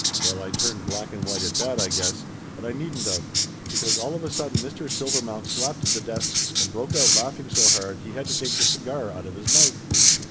Well, I turned black and white at that, I guess, but I needn't of, because all of a sudden Mr. Silvermount slapped the desk and broke out laughing so hard he had to take the cigar out of his mouth.